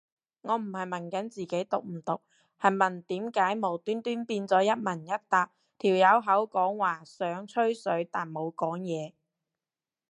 我唔係問緊自己毒唔毒，係問點解無端端變咗一問一答，條友口講話想吹水但冇嘢講